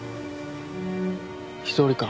一人か？